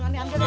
gue nyerah dah